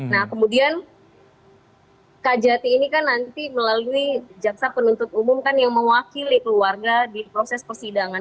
nah kemudian kak jati ini kan nanti melalui jaksa penuntut umum kan yang mewakili keluarga di proses persidangan